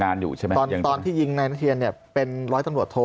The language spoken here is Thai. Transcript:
งานอยู่ใช่ไหมตอนที่ยิงในน้าเตียนเนี่ยเป็นร้อยตำลวดโท